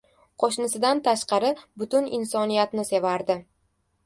— Qo‘shnisidan tashqari butun insoniyatni sevardi.